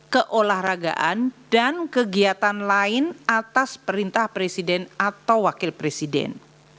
keolahragaan dan kegiatan lain atas perintah presiden atau wakil presiden